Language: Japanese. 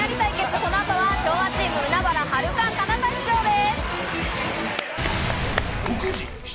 このあと、昭和チーム、海原はるか・かなた師匠です。